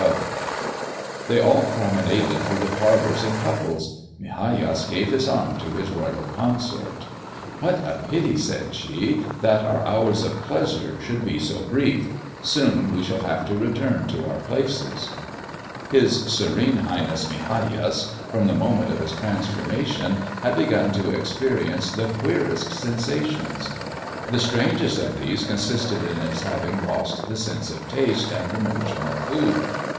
They all promenaded through the parlors in couples. Migajas gave his arm to his royal consort. "What a pity," said she, "that our hours of pleasure should be so brief! Soon we shall have to return to our places." His Serene Highness, Migajas, from the moment of his transformation, had begun to experience the queerest sensations. The strangest of these consisted in his having lost the sense of taste and the notion of food.